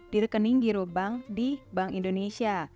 di rekening giro bank di bank indonesia